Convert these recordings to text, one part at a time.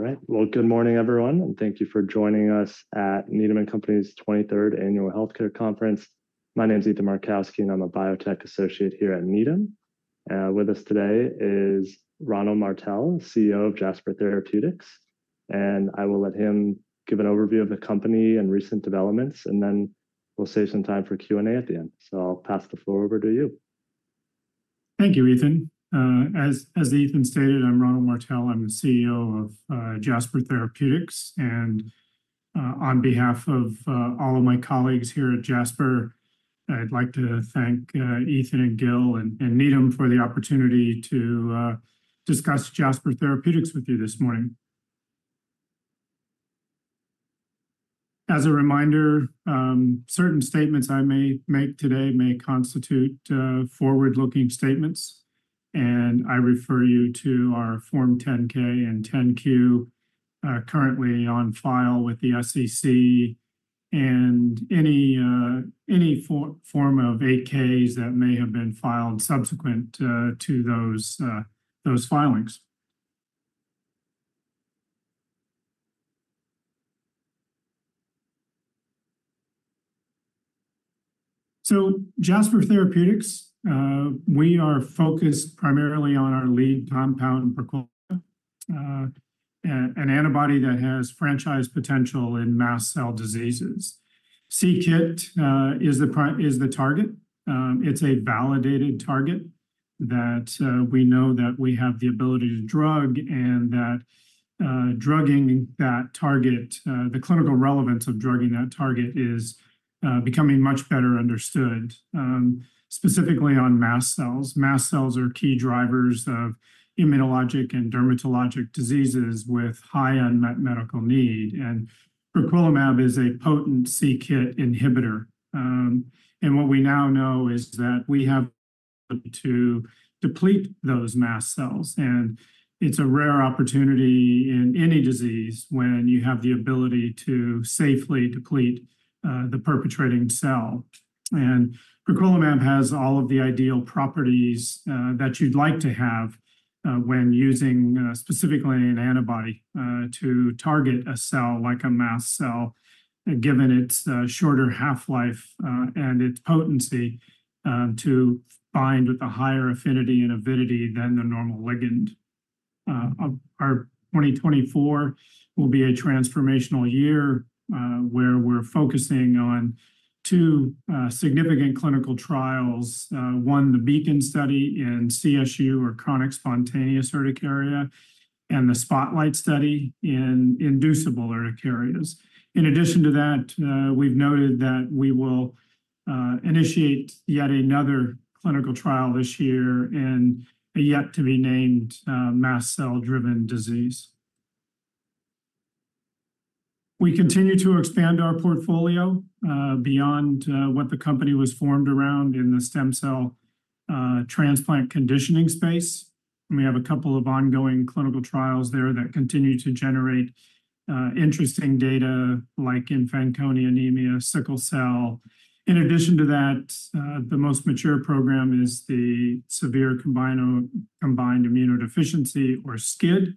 All right, well, good morning, everyone, and thank you for joining us at Needham & Company's 23rd Annual Healthcare Conference. My name's Ethan Markowski, and I'm a biotech associate here at Needham. With us today is Ronald Martell, CEO of Jasper Therapeutics. I will let him give an overview of the company and recent developments, and then we'll save some time for Q&A at the end, so I'll pass the floor over to you. Thank you, Ethan. As Ethan stated, I'm Ronald Martell. I'm the CEO of Jasper Therapeutics, and on behalf of all of my colleagues here at Jasper, I'd like to thank Ethan and Gil and Needham for the opportunity to discuss Jasper Therapeutics with you this morning. As a reminder, certain statements I may make today may constitute forward-looking statements. I refer you to our Form 10-K and 10-Q, currently on file with the SEC, and any form of 8-Ks that may have been filed subsequent to those filings. Jasper Therapeutics, we are focused primarily on our lead compound, an antibody that has franchise potential in mast cell diseases. c-Kit is the target. It's a validated target that we know that we have the ability to drug and that drugging that target, the clinical relevance of drugging that target is becoming much better understood, specifically on mast cells. Mast cells are key drivers of immunologic and dermatologic diseases with high unmet medical need, and briquilimab is a potent c-KIT inhibitor. And what we now know is that we have to deplete those mast cells, and it's a rare opportunity in any disease when you have the ability to safely deplete the perpetrating cell. And briquilimab has all of the ideal properties that you'd like to have when using specifically an antibody to target a cell like a mast cell, given its shorter half-life, and its potency to bind with a higher affinity and avidity than the normal ligand. Our 2024 will be a transformational year, where we're focusing on two significant clinical trials, one, the Beacon study in CSU, or chronic spontaneous urticaria, and the Spotlight study in inducible urticarias. In addition to that, we've noted that we will initiate yet another clinical trial this year in a yet-to-be-named mast cell-driven disease. We continue to expand our portfolio, beyond what the company was formed around in the stem cell transplant conditioning space. We have a couple of ongoing clinical trials there that continue to generate interesting data like Fanconi anemia, sickle cell. In addition to that, the most mature program is the severe combined immunodeficiency, or SCID,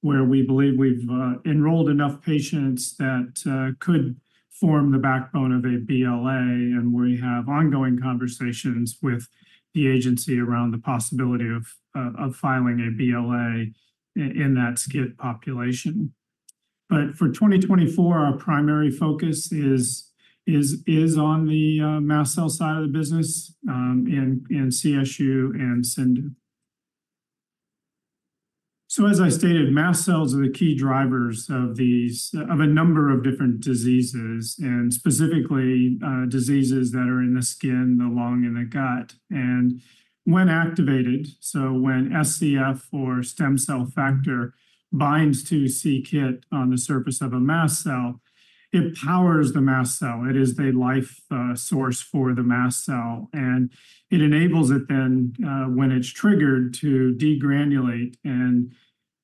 where we believe we've enrolled enough patients that could form the backbone of a BLA, and we have ongoing conversations with the agency around the possibility of filing a BLA in that SCID population. But for 2024, our primary focus is on the mast cell side of the business, in CSU and CIndU. So as I stated, mast cells are the key drivers of these of a number of different diseases, and specifically, diseases that are in the skin, the lung, and the gut. And when activated, so when SCF, or stem cell factor, binds to c-KIT on the surface of a mast cell, it powers the mast cell. It is the life source for the mast cell, and it enables it then, when it's triggered to degranulate and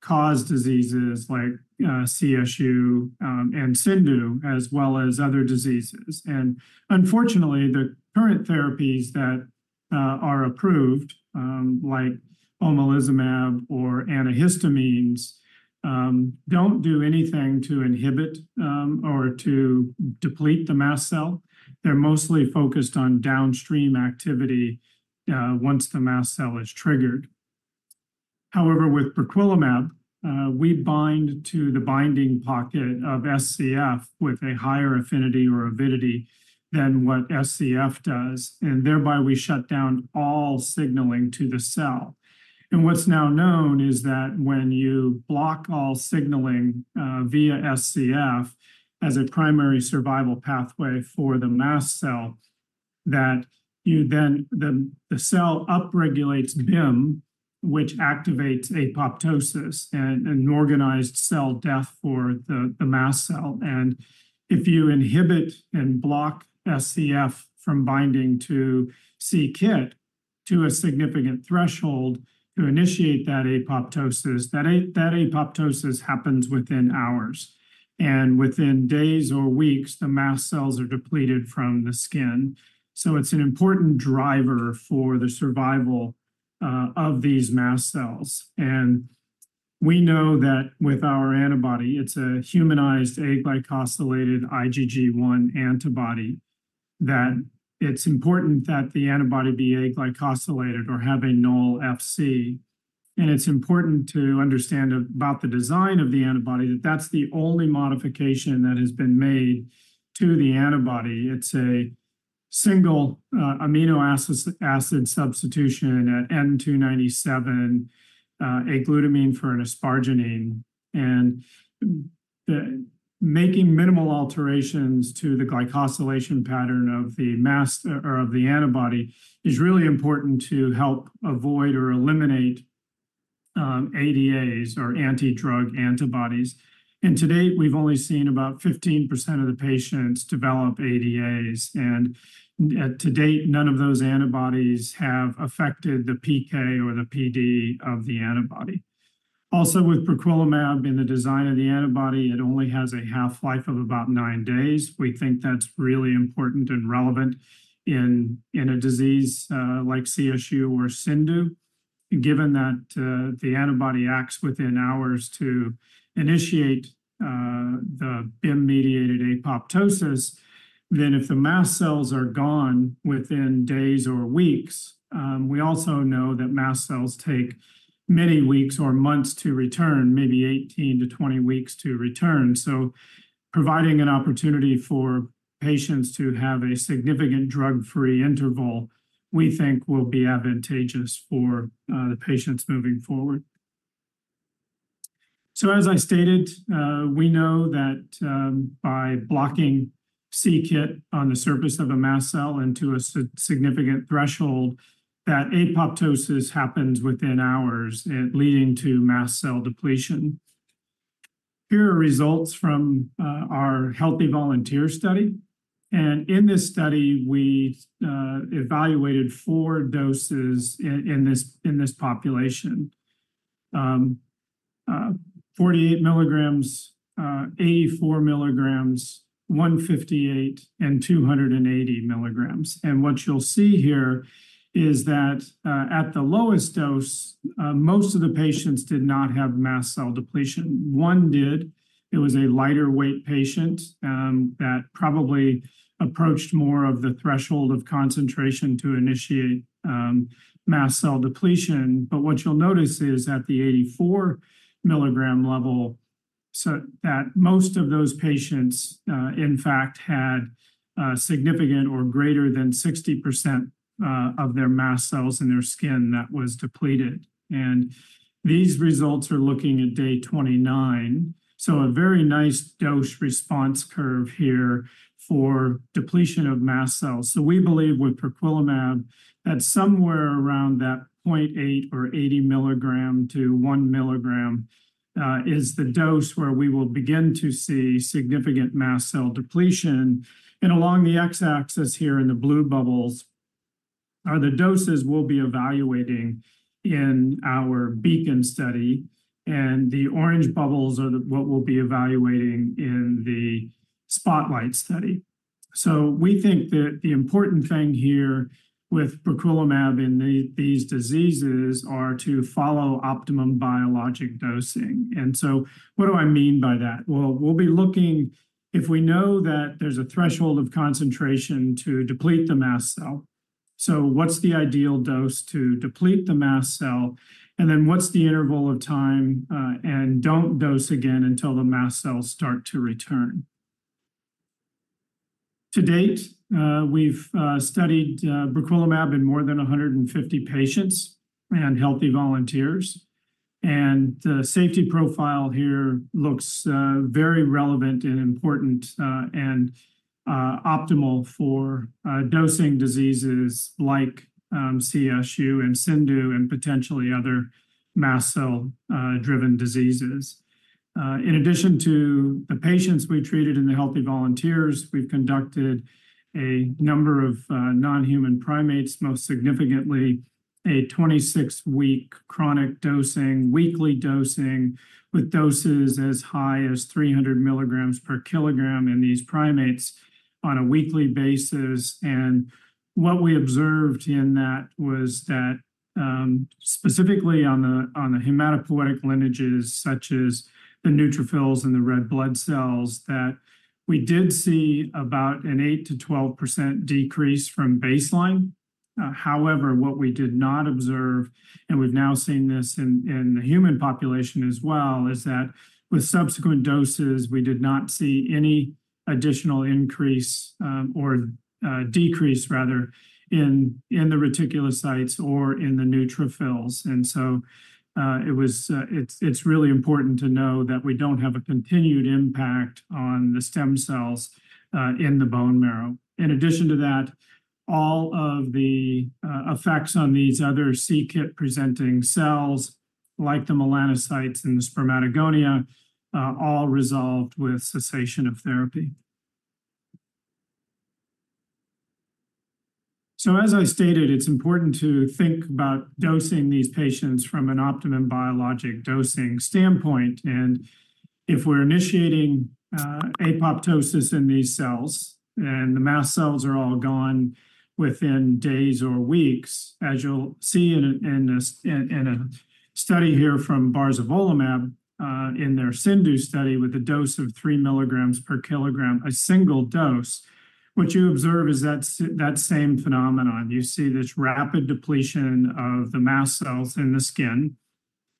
cause diseases like CSU and CIndU, as well as other diseases. And unfortunately, the current therapies that are approved, like omalizumab or antihistamines, don't do anything to inhibit or to deplete the mast cell. They're mostly focused on downstream activity, once the mast cell is triggered. However, with briquilimab, we bind to the binding pocket of SCF with a higher affinity or avidity than what SCF does, and thereby we shut down all signaling to the cell. And what's now known is that when you block all signaling, via SCF as a primary survival pathway for the mast cell, that you then the cell upregulates BIM, which activates apoptosis, an organized cell death for the mast cell. And if you inhibit and block SCF from binding to c-Kit to a significant threshold to initiate that apoptosis, that apoptosis happens within hours. And within days or weeks, the mast cells are depleted from the skin. So it's an important driver for the survival, of these mast cells. And we know that with our antibody, it's a humanized aglycosylated IgG1 antibody, that it's important that the antibody be aglycosylated or have a null Fc. It's important to understand about the design of the antibody that that's the only modification that has been made to the antibody. It's a single amino acid substitution at N297, a glutamine for an asparagine. The making minimal alterations to the glycosylation pattern of the mAb or of the antibody is really important to help avoid or eliminate ADAs or antidrug antibodies. To date, we've only seen about 15% of the patients develop ADAs, and to date, none of those antibodies have affected the PK or the PD of the antibody. Also, with briquilimab, in the design of the antibody, it only has a half-life of about nine days. We think that's really important and relevant in a disease like CSU or CIndU. Given that, the antibody acts within hours to initiate the BIM-mediated apoptosis, then if the mast cells are gone within days or weeks, we also know that mast cells take many weeks or months to return, maybe 18-20 weeks to return. So providing an opportunity for patients to have a significant drug-free interval, we think, will be advantageous for the patients moving forward. So as I stated, we know that by blocking c-KIT on the surface of a mast cell into a significant threshold, that apoptosis happens within hours, leading to mast cell depletion. Here are results from our Healthy Volunteer study. In this study, we evaluated four doses in this population. 48 milligrams, 84 milligrams, 158, and 280 milligrams. What you'll see here is that at the lowest dose, most of the patients did not have mast cell depletion. One did. It was a lighter weight patient, that probably approached more of the threshold of concentration to initiate mast cell depletion. But what you'll notice is at the 84 milligram level, so that most of those patients, in fact, had significant or greater than 60% of their mast cells in their skin that was depleted. And these results are looking at day 29, so a very nice dose response curve here for depletion of mast cells. So we believe with briquilimab that somewhere around that 0.8 or 80 milligram to 1 milligram is the dose where we will begin to see significant mast cell depletion. And along the X-axis here in the blue bubbles are the doses we'll be evaluating in our Beacon study, and the orange bubbles are what we'll be evaluating in the Spotlight study. So we think that the important thing here with briquilimab in these diseases is to follow optimum biologic dosing. And so what do I mean by that? Well, we'll be looking if we know that there's a threshold of concentration to deplete the mast cell, so what's the ideal dose to deplete the mast cell, and then what's the interval of time, and don't dose again until the mast cells start to return. To date, we've studied briquilimab in more than 150 patients and healthy volunteers. And the safety profile here looks very relevant and important, and optimal for dosing diseases like CSU and CIndU and potentially other mast cell-driven diseases. In addition to the patients we treated in the healthy volunteers, we've conducted a number of non-human primates, most significantly a 26-week chronic dosing, weekly dosing with doses as high as 300 milligrams per kilogram in these primates on a weekly basis. And what we observed in that was that, specifically on the hematopoietic lineages, such as the neutrophils and the red blood cells, that we did see about an 8%-12% decrease from baseline. However, what we did not observe, and we've now seen this in the human population as well, is that with subsequent doses, we did not see any additional increase, or decrease rather, in the reticulocytes or in the neutrophils. And so, it's really important to know that we don't have a continued impact on the stem cells in the bone marrow. In addition to that, all of the effects on these other c-Kit presenting cells, like the melanocytes and the spermatogonia, all resolved with cessation of therapy. So as I stated, it's important to think about dosing these patients from an optimum biologic dosing standpoint. If we're initiating apoptosis in these cells and the mast cells are all gone within days or weeks, as you'll see in a study here from barzolvolimab, in their CIndU study with a dose of 3 milligrams per kilogram, a single dose, what you observe is that same phenomenon. You see this rapid depletion of the mast cells in the skin.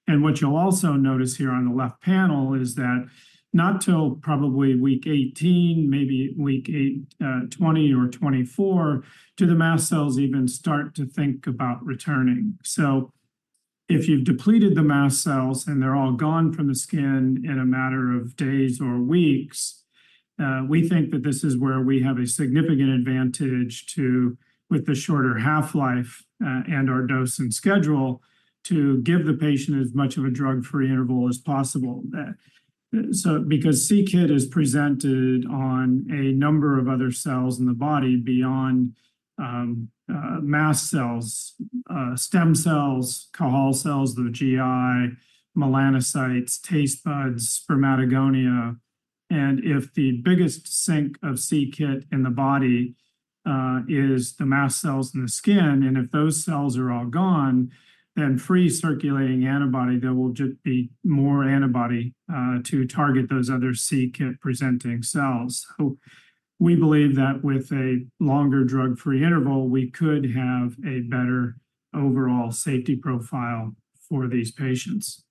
And what you'll also notice here on the left panel is that not till probably week 18, maybe week 20 or 24, do the mast cells even start to think about returning. So if you've depleted the mast cells and they're all gone from the skin in a matter of days or weeks, we think that this is where we have a significant advantage to, with the shorter half-life, and our dose and schedule, to give the patient as much of a drug-free interval as possible. That's because c-Kit is presented on a number of other cells in the body beyond, mast cells, stem cells, Cajal cells, the GI, melanocytes, taste buds, spermatogonia. And if the biggest sink of c-Kit in the body, is the mast cells in the skin, and if those cells are all gone, then free circulating antibody, there will just be more antibody, to target those other c-Kit presenting cells. So we believe that with a longer drug-free interval, we could have a better overall safety profile for these patients.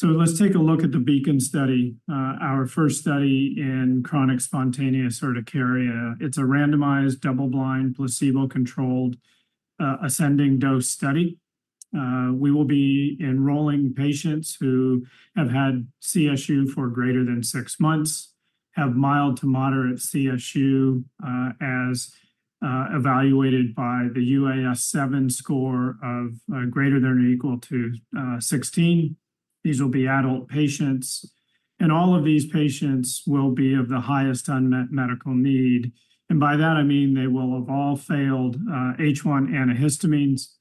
So let's take a look at the Beacon study, our first study in chronic spontaneous urticaria. It's a randomized double-blind, placebo-controlled, ascending dose study. We will be enrolling patients who have had CSU for greater than six months, have mild to moderate CSU, as evaluated by the UAS-7 score of greater than or equal to 16. These will be adult patients. And all of these patients will be of the highest unmet medical need. And by that, I mean they will have all failed H1 antihistamines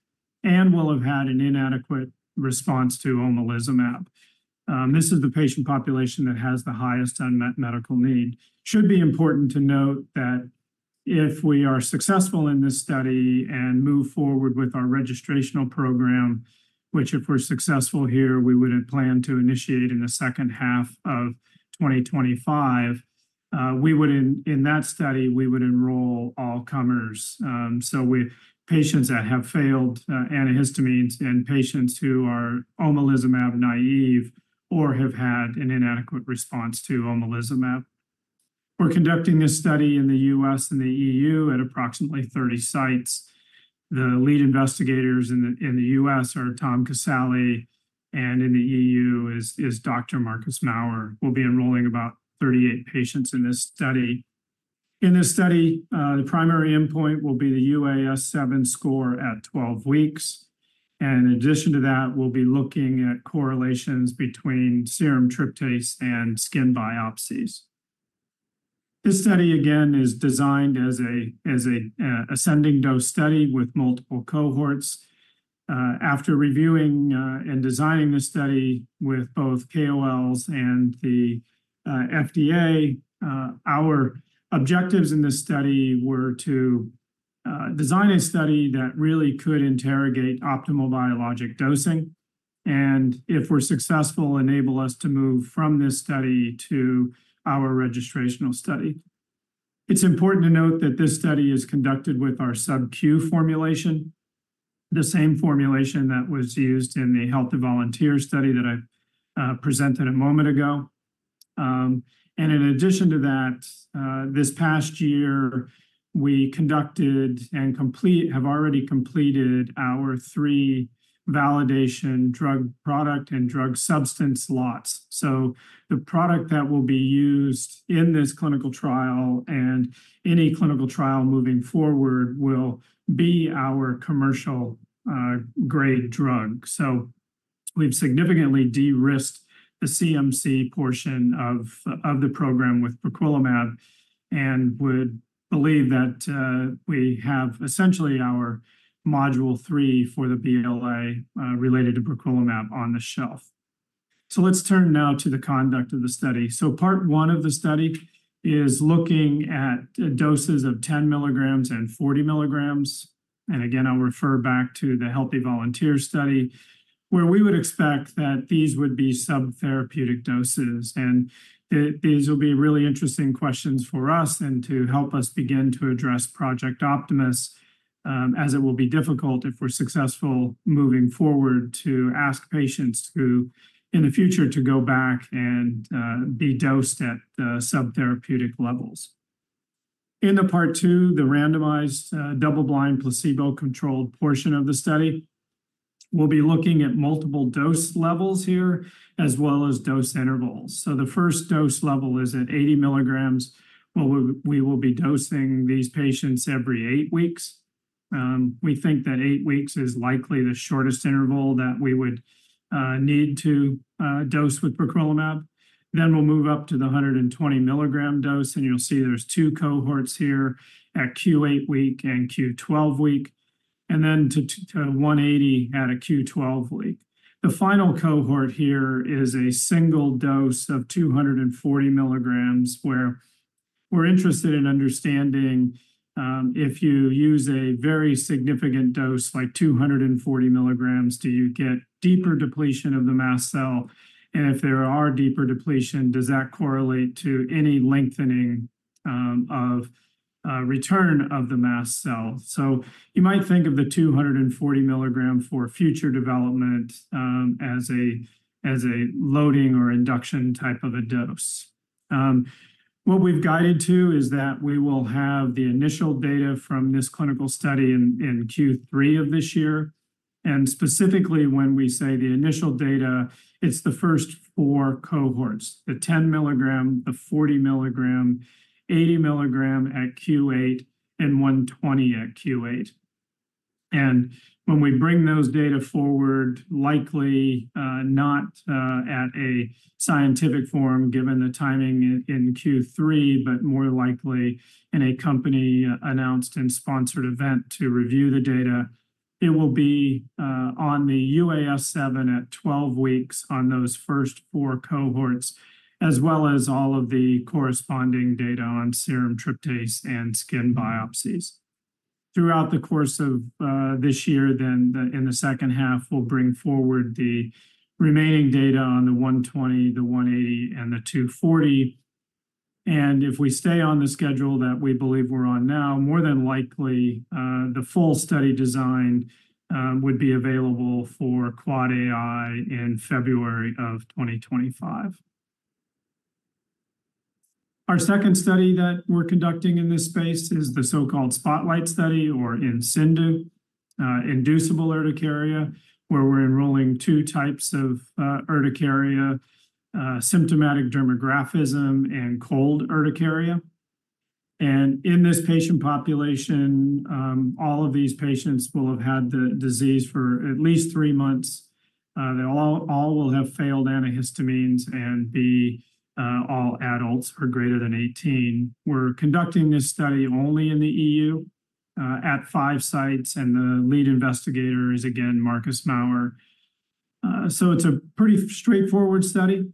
and will have had an inadequate response to omalizumab. This is the patient population that has the highest unmet medical need. It should be important to note that if we are successful in this study and move forward with our registrational program, which if we're successful here, we would have planned to initiate in the second half of 2025, we would in that study, we would enroll all-comers, so patients that have failed antihistamines and patients who are omalizumab naive or have had an inadequate response to omalizumab. We're conducting this study in the U.S. and the EU at approximately 30 sites. The lead investigators in the U.S. are Tom Casale, and in the EU is Dr. Marcus Maurer. We'll be enrolling about 38 patients in this study. In this study, the primary endpoint will be the UAS-7 score at 12 weeks. And in addition to that, we'll be looking at correlations between serum tryptase and skin biopsies. This study, again, is designed as an ascending dose study with multiple cohorts. After reviewing and designing this study with both KOLs and the FDA, our objectives in this study were to design a study that really could interrogate optimal biologic dosing and, if we're successful, enable us to move from this study to our registrational study. It's important to note that this study is conducted with our sub-Q formulation, the same formulation that was used in the healthy volunteer study that I presented a moment ago. And in addition to that, this past year, we conducted and have already completed our three validation drug product and drug substance lots. So the product that will be used in this clinical trial and any clinical trial moving forward will be our commercial-grade drug. We've significantly de-risked the CMC portion of the program with briquilimab and would believe that, we have essentially our module three for the BLA, related to briquilimab on the shelf. Let's turn now to the conduct of the study. Part one of the study is looking at doses of 10 milligrams and 40 milligrams. Again, I'll refer back to the Healthy Volunteer study, where we would expect that these would be subtherapeutic doses. These will be really interesting questions for us and to help us begin to address Project Optimus, as it will be difficult if we're successful moving forward to ask patients who, in the future, to go back and, be dosed at the subtherapeutic levels. In the part two, the randomized, double-blind, placebo-controlled portion of the study, we'll be looking at multiple dose levels here as well as dose intervals. So the first dose level is at 80 milligrams. Well, we will be dosing these patients every eight weeks. We think that eight weeks is likely the shortest interval that we would need to dose with briquilimab. Then we'll move up to the 120 milligram dose, and you'll see there's two cohorts here at Q8 week and Q12 week, and then to 180 at a Q12 week. The final cohort here is a single dose of 240 milligrams, where we're interested in understanding, if you use a very significant dose like 240 milligrams, do you get deeper depletion of the mast cell? And if there are deeper depletion, does that correlate to any lengthening of return of the mast cell? So you might think of the 240 milligram for future development, as a loading or induction type of a dose. What we've guided to is that we will have the initial data from this clinical study in Q3 of this year. And specifically, when we say the initial data, it's the first 4 cohorts: the 10 milligram, the 40 milligram, 80 milligram at Q8, and 120 at Q8. And when we bring those data forward, likely not at a scientific forum given the timing in Q3, but more likely in a company-announced and sponsored event to review the data, it will be on the UAS-7 at 12 weeks on those first 4 cohorts, as well as all of the corresponding data on serum tryptase and skin biopsies. Throughout the course of this year, then in the second half, we'll bring forward the remaining data on the 120, the 180, and the 240. If we stay on the schedule that we believe we're on now, more than likely, the full study design would be available for AAAAI in February of 2025. Our second study that we're conducting in this space is the so-called SPOTLIGHT study in CIndU, inducible urticaria, where we're enrolling two types of urticaria: symptomatic dermographism and cold urticaria. In this patient population, all of these patients will have had the disease for at least three months. They all will have failed antihistamines and be all adults or greater than 18. We're conducting this study only in the EU, at five sites, and the lead investigator is, again, Marcus Maurer. So it's a pretty straightforward study,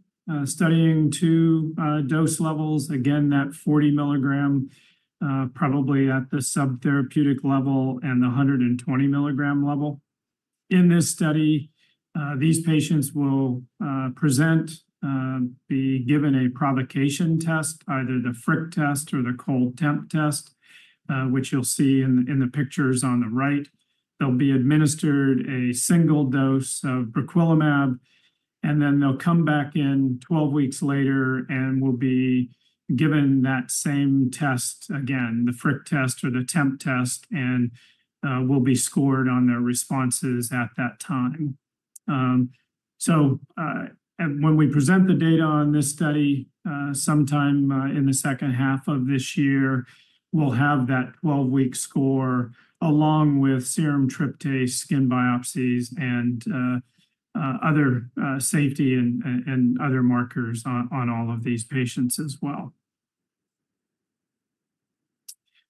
studying two dose levels, again that 40 mg, probably at the subtherapeutic level and the 120 mg level. In this study, these patients will be given a provocation test, either the FricTest or the TempTest, which you'll see in the pictures on the right. They'll be administered a single dose of briquilimab, and then they'll come back 12 weeks later and will be given that same test again, the FricTest or the TempTest, and will be scored on their responses at that time. So, when we present the data on this study, sometime in the second half of this year, we'll have that 12-week score along with serum tryptase, skin biopsies, and other safety and other markers on all of these patients as well.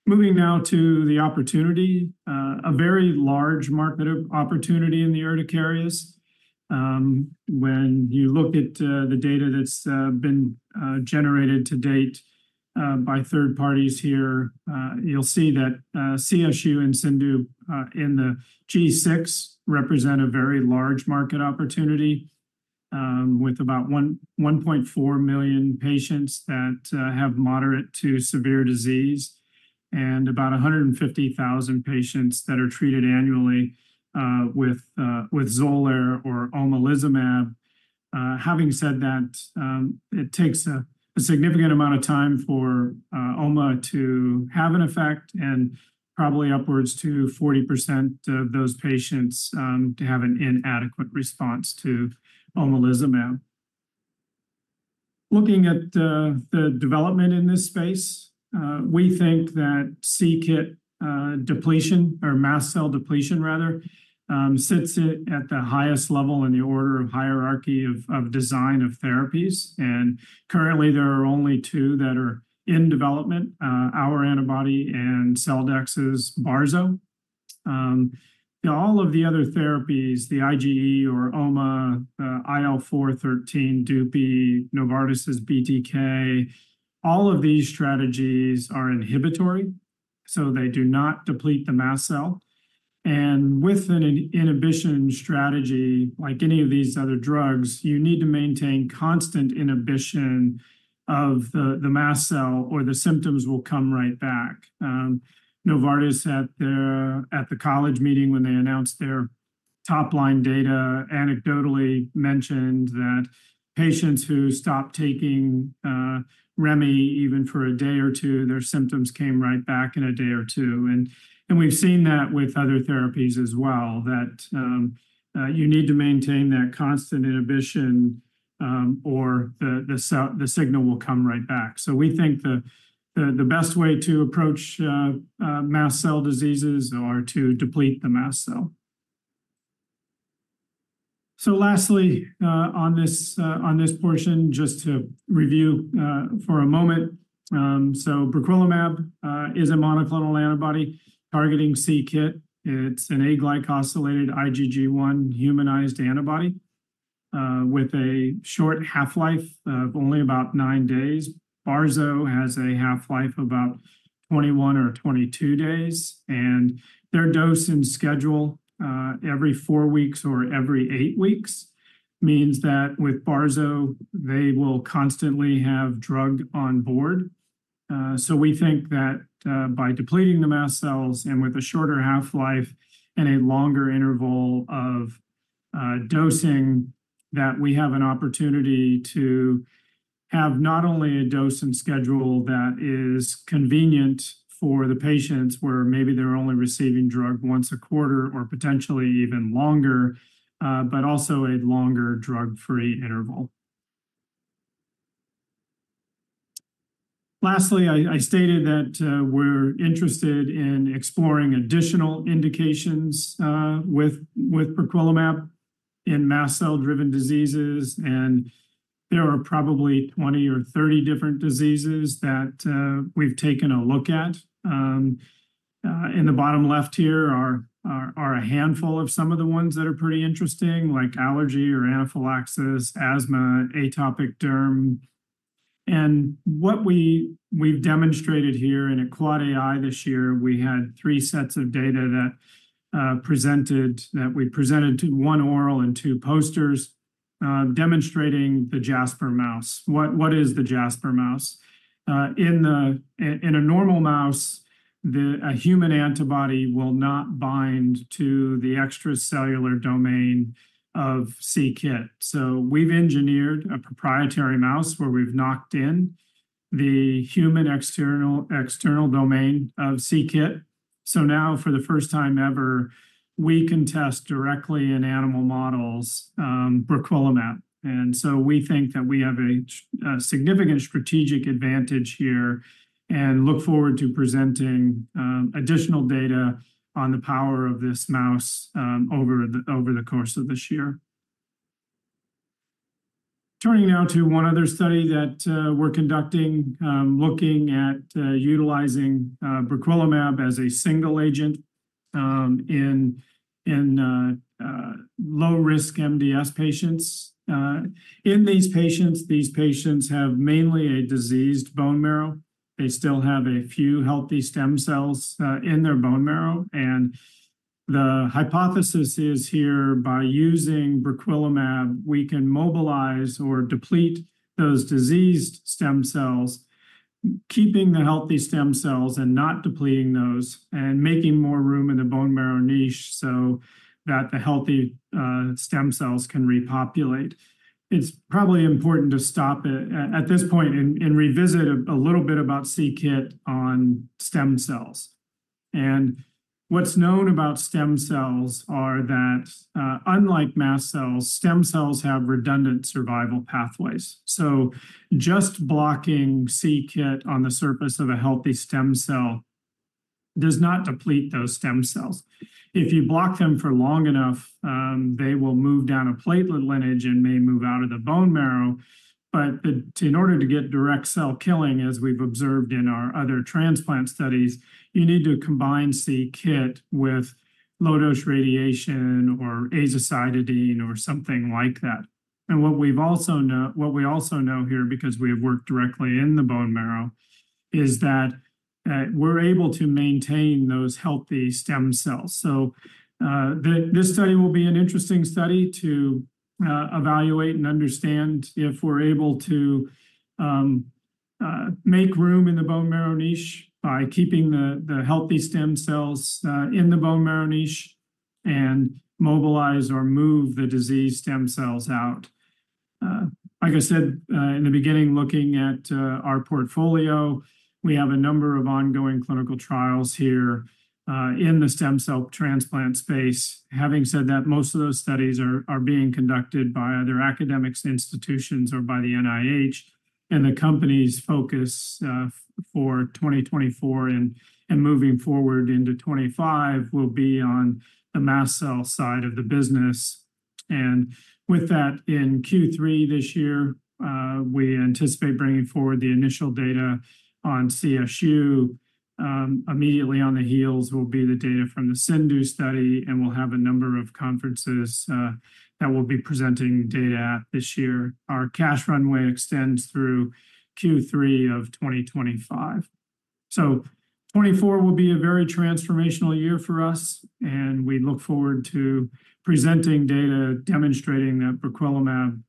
Moving now to the opportunity, a very large market opportunity in the urticarias. When you look at the data that's been generated to date by third parties here, you'll see that CSU and CIndU in the G6 represent a very large market opportunity, with about 1.4 million patients that have moderate to severe disease and about 150,000 patients that are treated annually with Xolair or omalizumab. Having said that, it takes a significant amount of time for OMA to have an effect, and probably upwards to 40% of those patients to have an inadequate response to omalizumab. Looking at the development in this space, we think that c-Kit depletion or mast cell depletion, rather, sits at the highest level in the order of hierarchy of design of therapies. And currently, there are only two that are in development: our antibody and Celldex's barzolvolimab. All of the other therapies, the IgE or OMA, the IL-4/13, Dupi, Novartis's BTK, all of these strategies are inhibitory, so they do not deplete the mast cell. With an inhibition strategy, like any of these other drugs, you need to maintain constant inhibition of the mast cell, or the symptoms will come right back. Novartis, at their college meeting when they announced their top-line data, anecdotally mentioned that patients who stopped taking remibrutinib even for a day or two, their symptoms came right back in a day or two. And we've seen that with other therapies as well, that you need to maintain that constant inhibition, or the signal will come right back. So we think the best way to approach mast cell diseases are to deplete the mast cell. So lastly, on this portion, just to review for a moment, so briquilimab is a monoclonal antibody targeting c-Kit. It's an aglycosylated IgG1 humanized antibody, with a short half-life of only about 9 days. Barzolvolimab has a half-life of about 21 or 22 days. And their dose and schedule, every 4 weeks or every 8 weeks, means that with barzolvolimab, they will constantly have drug on board. So we think that by depleting the mast cells and with a shorter half-life and a longer interval of dosing, that we have an opportunity to have not only a dose and schedule that is convenient for the patients, where maybe they're only receiving drug once a quarter or potentially even longer, but also a longer drug-free interval. Lastly, I stated that we're interested in exploring additional indications with briquilimab in mast cell-driven diseases. There are probably 20 or 30 different diseases that we've taken a look at. In the bottom left here are a handful of some of the ones that are pretty interesting, like allergy or anaphylaxis, asthma, atopic derm. What we've demonstrated here at AAAAI this year, we had 3 sets of data that we presented to 1 oral and 2 posters, demonstrating the Jasper mouse. What is the Jasper mouse? In a normal mouse, a human antibody will not bind to the extracellular domain of c-KIT. So we've engineered a proprietary mouse where we've knocked in the human external domain of c-KIT. So now, for the first time ever, we can test directly in animal models, briquilimab. We think that we have a significant strategic advantage here and look forward to presenting additional data on the power of this molecule over the course of this year. Turning now to one other study that we're conducting, looking at utilizing briquilimab as a single agent in low-risk MDS patients. In these patients, they have mainly a diseased bone marrow. They still have a few healthy stem cells in their bone marrow. And the hypothesis is here, by using briquilimab, we can mobilize or deplete those diseased stem cells, keeping the healthy stem cells and not depleting those, and making more room in the bone marrow niche so that the healthy stem cells can repopulate. It's probably important to stop it at this point and revisit a little bit about c-Kit on stem cells. What's known about stem cells are that, unlike mast cells, stem cells have redundant survival pathways. So just blocking c-Kit on the surface of a healthy stem cell does not deplete those stem cells. If you block them for long enough, they will move down a platelet lineage and may move out of the bone marrow. But in order to get direct cell killing, as we've observed in our other transplant studies, you need to combine c-Kit with low-dose radiation or azacitidine or something like that. And what we also know here, because we have worked directly in the bone marrow, is that we're able to maintain those healthy stem cells. This study will be an interesting study to evaluate and understand if we're able to make room in the bone marrow niche by keeping the healthy stem cells in the bone marrow niche and mobilize or move the diseased stem cells out. Like I said in the beginning, looking at our portfolio, we have a number of ongoing clinical trials here in the stem cell transplant space. Having said that, most of those studies are being conducted by either academics and institutions or by the NIH. The company's focus for 2024 and moving forward into 2025 will be on the mast cell side of the business. With that, in Q3 this year, we anticipate bringing forward the initial data on CSU. Immediately on the heels will be the data from the CIndU study, and we'll have a number of conferences that will be presenting data at this year. Our cash runway extends through Q3 of 2025. So 2024 will be a very transformational year for us, and we look forward to presenting data, demonstrating that briquilimab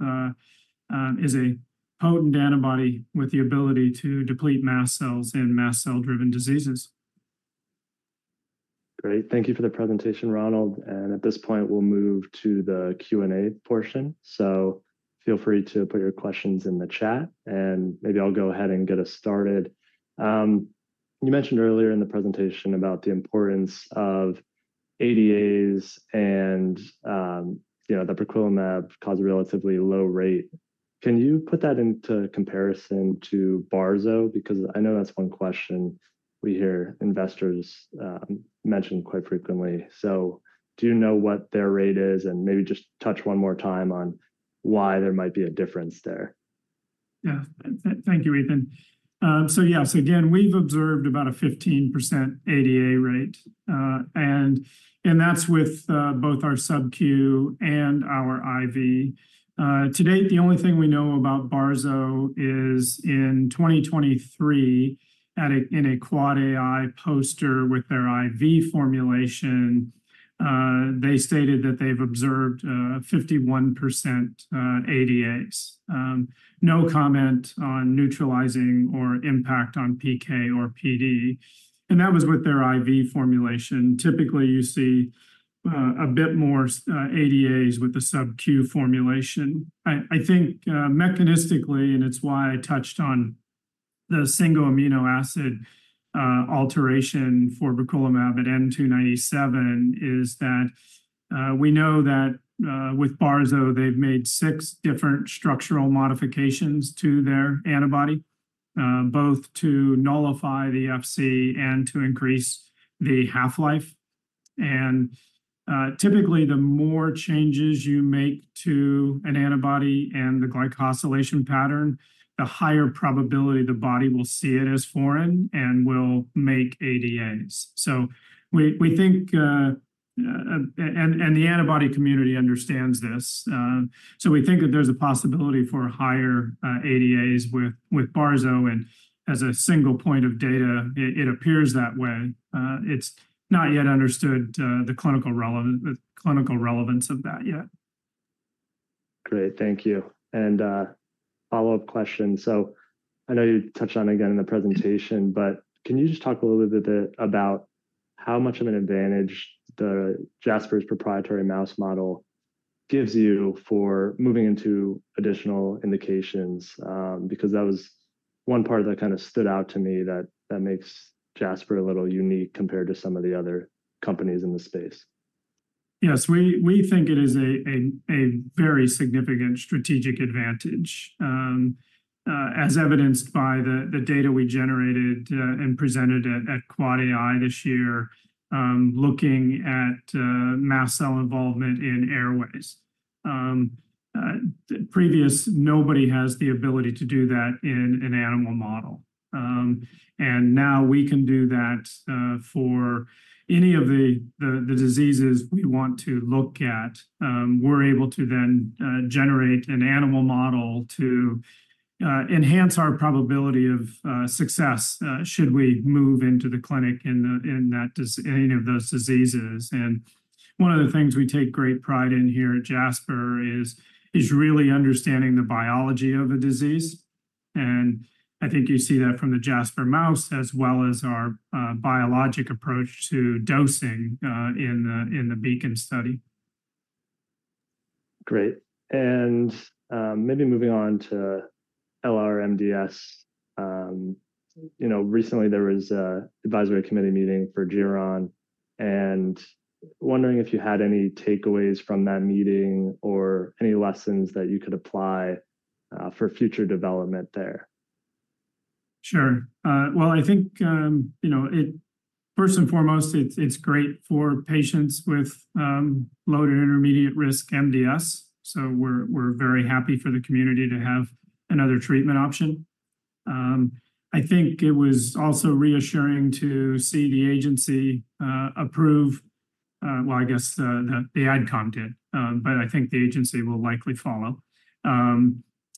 is a potent antibody with the ability to deplete mast cells in mast cell-driven diseases. Great. Thank you for the presentation, Ronald. At this point, we'll move to the Q&A portion. So feel free to put your questions in the chat, and maybe I'll go ahead and get us started. You mentioned earlier in the presentation about the importance of ADAs and you know that briquilimab caused a relatively low rate. Can you put that into comparison to barzolvolimab? Because I know that's one question we hear investors mention quite frequently. So do you know what their rate is? And maybe just touch one more time on why there might be a difference there. Yeah. Thank you, Ethan. So yeah. So again, we've observed about a 15% ADA rate. And and that's with both our sub-Q and our IV. To date, the only thing we know about Barzo is in 2023, at an AAAAI poster with their IV formulation, they stated that they've observed 51% ADAs, no comment on neutralizing or impact on PK or PD. And that was with their IV formulation. Typically, you see a bit more ADAs with the sub-Q formulation. I I think mechanistically, and it's why I touched on the single amino acid alteration for briquilimab at N297, is that we know that with Barzo, they've made six different structural modifications to their antibody, both to nullify the FC and to increase the half-life. Typically, the more changes you make to an antibody and the glycosylation pattern, the higher probability the body will see it as foreign and will make ADAs. So we think and the antibody community understands this. So we think that there's a possibility for higher ADAs with barzolvolimab. And as a single point of data, it appears that way. It's not yet understood the clinical relevance of that yet. Great. Thank you. And follow-up question. So I know you touched on it again in the presentation, but can you just talk a little bit about how much of an advantage the Jasper's proprietary mouse model gives you for moving into additional indications? Because that was one part that kind of stood out to me that makes Jasper a little unique compared to some of the other companies in the space. Yes. We think it is a very significant strategic advantage, as evidenced by the data we generated and presented at AAAAI this year, looking at mast cell involvement in airways. Previously, nobody has the ability to do that in an animal model. And now we can do that for any of the diseases we want to look at. We're able to then generate an animal model to enhance our probability of success should we move into the clinic in any of those diseases. And one of the things we take great pride in here at Jasper is really understanding the biology of a disease. And I think you see that from the Jasper mouse as well as our biologic approach to dosing in the Beacon study. Great. And maybe moving on to LRMDS. You know, recently, there was an advisory committee meeting for Geron, and wondering if you had any takeaways from that meeting or any lessons that you could apply for future development there. Sure. Well, I think, you know, it first and foremost, it's great for patients with low to intermediate risk MDS. So we're very happy for the community to have another treatment option. I think it was also reassuring to see the agency approve. Well, I guess the AdCom did. But I think the agency will likely follow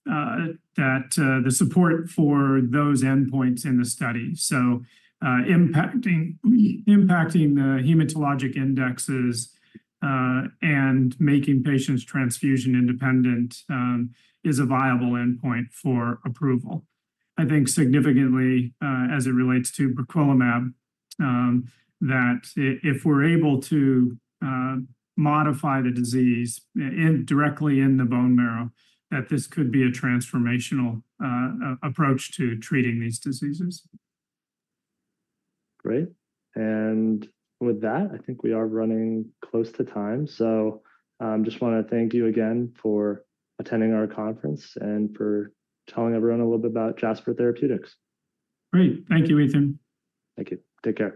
that the support for those endpoints in the study, so impacting the hematologic indexes and making patients transfusion independent is a viable endpoint for approval. I think significantly, as it relates to briquilimab, that if we're able to modify the disease directly in the bone marrow, that this could be a transformational approach to treating these diseases. Great. And with that, I think we are running close to time. So I just want to thank you again for attending our conference and for telling everyone a little bit about Jasper Therapeutics. Great. Thank you, Ethan. Thank you. Take care.